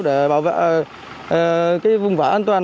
để bảo vệ vùng vải an toàn